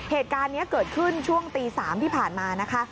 เหตุการณ์นี้เกิดขึ้นช่วงตี๓ที่ผ่านมานะคะ